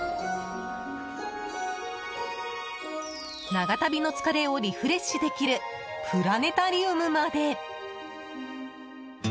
長旅の疲れをリフレッシュできるプラネタリウムまで！